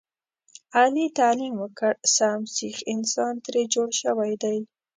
علي تعلیم وکړ سم سیخ انسان ترې جوړ شوی دی.